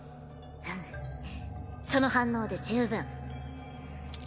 うむその反応で十分。